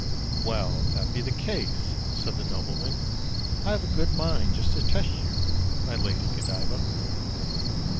"Well, if that be the case," said the nobleman, "I've a Good mind just to test you, my Lady Godiva!